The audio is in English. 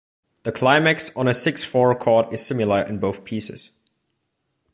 The climax on a six-four chord is similar in both pieces.